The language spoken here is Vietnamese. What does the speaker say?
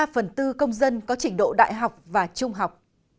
ba phần tư công dân có trình độ đại học và trung học